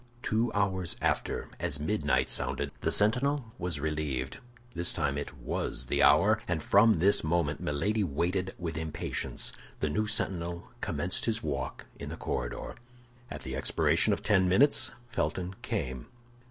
Two hours after, as midnight sounded, the sentinel was relieved. This time it was the hour, and from this moment Milady waited with impatience. The new sentinel commenced his walk in the corridor. At the expiration of ten minutes Felton came.